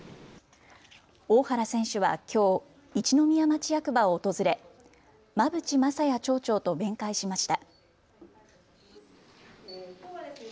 大原選手はきょう、一宮町役場を訪れ馬淵昌也町長と面会しました。